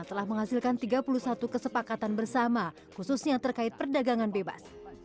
telah menghasilkan tiga puluh satu kesepakatan bersama khususnya terkait perdagangan bebas